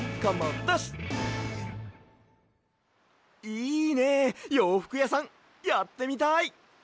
いいねようふくやさんやってみたい！